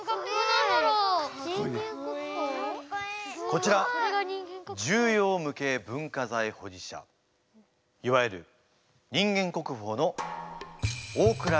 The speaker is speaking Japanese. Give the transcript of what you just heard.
こちら重要無形文化財保持者いわゆる人間国宝の大倉源次郎でございます。